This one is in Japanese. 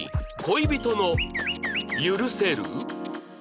恋人の許せる？